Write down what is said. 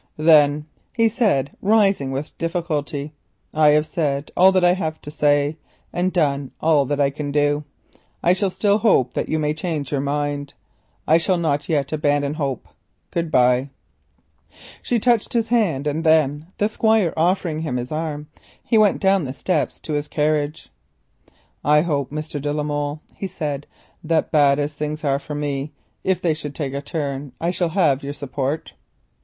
"Then," he said, rising with difficulty, "I have said all I have to say, and done all that I can do. I shall still hope that you may change your mind. I shall not yet abandon hope. Good bye." She touched his hand, and then the Squire offering him his arm, he went down the steps to his carriage. "I hope, Mr. de la Molle," he said, "that bad as things look for me, if they should take a turn I shall have your support."